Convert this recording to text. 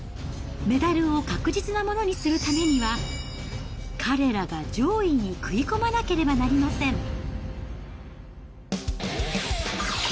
メダルを確実なものにするためには、彼らが上位に食い込まなければなりません。